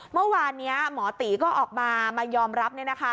เมื่อวานนี้หมอตีก็ออกมามายอมรับ